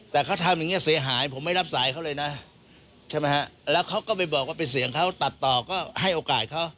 แต่เขาทำอย่างนี้เสียหายผมไม่รับสายเขาเลยนะใช่ไหมฮะแล้วเขาก็ไปบอกว่าเป็นเสียงเขาตัดต่อก็ให้โอกาสเขา